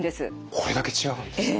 これだけ違うんですね。